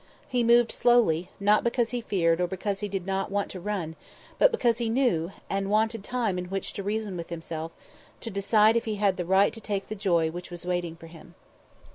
He moved slowly, not because he feared or because he did not want to run, but because he knew, and wanted time in which to reason with himself, to decide if he had the right to take the joy which was waiting for him.